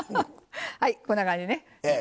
はいこんな感じね。